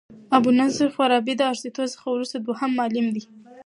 ابو نصر فارابي د ارسطو څخه وروسته دوهم معلم دئ.